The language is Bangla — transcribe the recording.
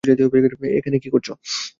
এখানে কি করছো?